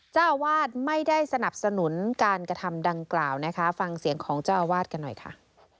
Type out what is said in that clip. เจ้าอาวาสไม่ได้สนับสนุนการกระทำดังกล่าวนะคะฟังเสียงของเจ้าอาวาสกันหน่อยค่ะ